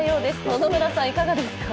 野々村さん、いかがですか？